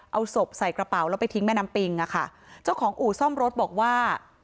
เอาศพใส่กระเป๋าแล้วไปทิ้งแม่น้ำปิงอ่ะค่ะเจ้าของอู่ซ่อมรถบอกว่า